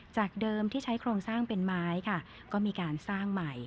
จากเดิมที่ใช้โครงสร้างเป็นไม้ค่ะก็มีการสร้างใหม่